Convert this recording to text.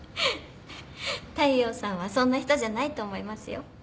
大陽さんはそんな人じゃないと思いますよ。